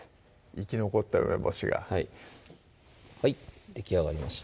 生き残った梅干しがはいはいできあがりました